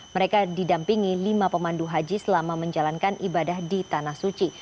mereka didampingi lima pemandu haji selama menjalankan ibadah di tanah suci